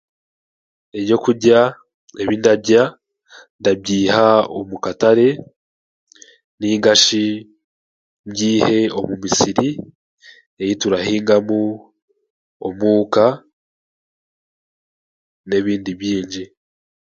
Ebyokurya ebindarya ndabiiha omu katare nainga shi mbiihe omu misiri eiturahingamu omuuka n'ebindi biingi